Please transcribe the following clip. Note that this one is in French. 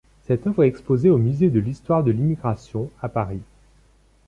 Cette œuvre est exposée au Musée de l'histoire de l'immigration, à Paris.